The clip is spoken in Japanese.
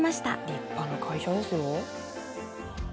立派な会社ですよ。